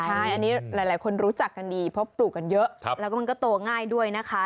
ใช่อันนี้หลายคนรู้จักกันดีเพราะปลูกกันเยอะแล้วก็มันก็โตง่ายด้วยนะคะ